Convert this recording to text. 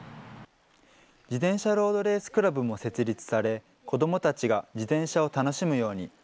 自転車ロードレースクラブも設立され、子どもたちが自転車を楽しむように。